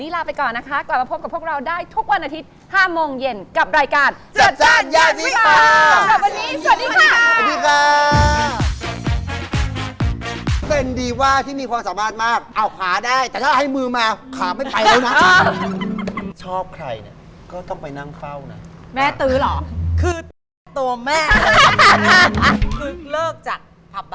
แล้วเราก็ไปถึงปุ๊บ